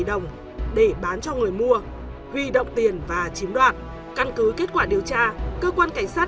đồng để bán cho người mua huy động tiền và chiếm đoạt căn cứ kết quả điều tra cơ quan cảnh sát